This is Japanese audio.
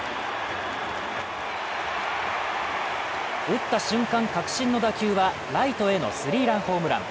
打った瞬間、確信の打球はライトへのスリーランホームラン。